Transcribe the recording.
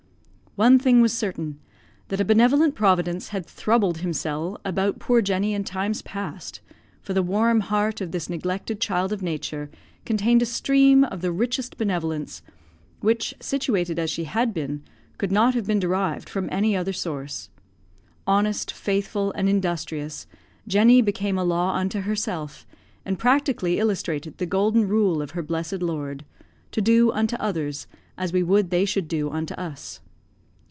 One thing was certain, that a benevolent Providence had "throubled Himsel'" about poor Jenny in times past, for the warm heart of this neglected child of nature contained a stream of the richest benevolence, which, situated as she had been, could not have been derived from any other source. Honest, faithful, and industrious, Jenny became a law unto herself, and practically illustrated the golden rule of her blessed Lord, "to do unto others as we would they should do unto us."